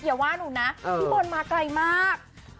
อย่าว่าหนูนะพี่บอลมาไกลมาก